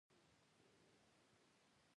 پر ضد څرنګه عمل کولای شم.